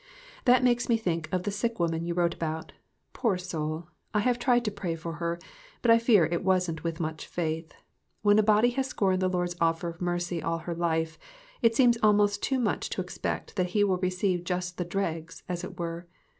That makes me think of the sick woman you wrote about. Poor soul, I have tried to pray for her, but I fear it wasn't with much faith. When a body has scorned the Lord's offer of mercy all her life, it seems almost too much to expect that he will receive just the dregs, as it were.